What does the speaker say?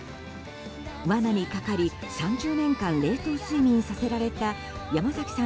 罠にかかり３０年間冷凍睡眠させられた山崎さん